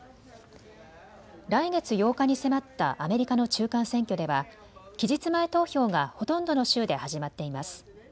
来月８日に迫ったアメリカの中間選挙では期日前投票がほとんどの州で始まっています。